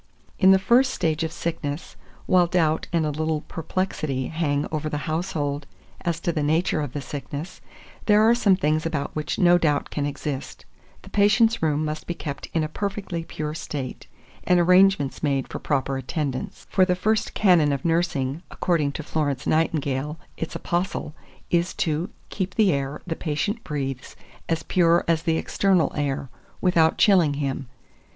2417. In the first stage of sickness, while doubt and a little perplexity hang over the household as to the nature of the sickness, there are some things about which no doubt can exist: the patient's room must be kept in a perfectly pure state, and arrangements made for proper attendance; for the first canon of nursing, according to Florence Nightingale, its apostle, is to "keep the air the patient breathes as pure as the external air, without chilling him."